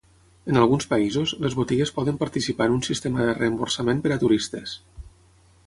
En alguns països, les botigues poden participar en un sistema de reemborsament per a turistes.